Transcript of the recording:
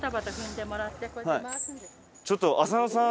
ちょっと浅野さん